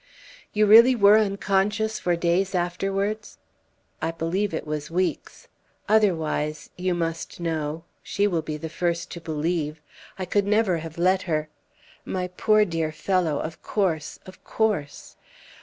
"You really were unconscious for days afterwards?" "I believe it was weeks. Otherwise, you must know she will be the first to believe I never could have let her " "My poor, dear fellow of course of course."